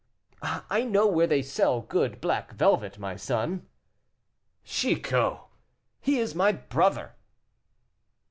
"I know where they sell good black velvet, my son." "Chicot! he is my brother."